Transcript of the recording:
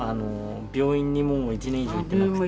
病院にもう１年以上行ってなくて。